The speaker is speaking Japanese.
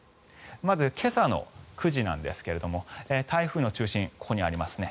まず今朝の９時なんですが台風の中心、ここにありますね。